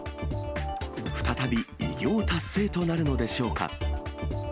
再び偉業達成となるのでしょうか。